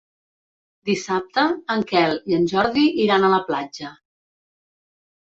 Dissabte en Quel i en Jordi iran a la platja.